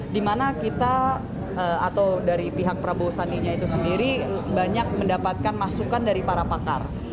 dimana kita atau dari pihak prabowo sandinya itu sendiri banyak mendapatkan masukan dari para pakar